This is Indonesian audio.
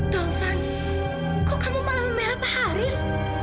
taufan kok kamu malah memelah pak haris